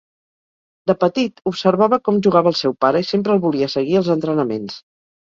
De petit, observava com jugava el seu pare i sempre el volia seguir als entrenaments.